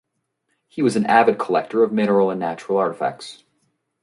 He was an avid collector of mineral and natural artifacts.